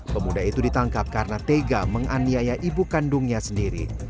pemuda itu ditangkap karena tega menganiaya ibu kandungnya sendiri